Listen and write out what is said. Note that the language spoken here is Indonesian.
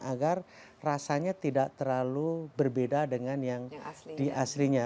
agar rasanya tidak terlalu berbeda dengan yang di aslinya